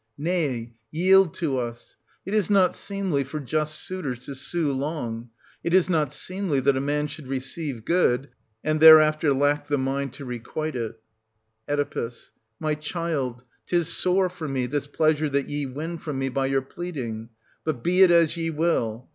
Nay, yield to us ! It is not seemly for just suitors to sue long ; it is not seemly that a man should receive good, and thereafter lack the mind to requite it. Oe. My child, 'tis sore for me, this pleasure that ye win from me by your pleading; — but be it as ye will.